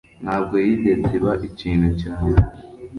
ntabwo yigeze iba ikintu cyawe